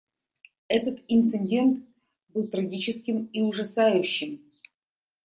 Этот инцидент был трагическим и ужасающим.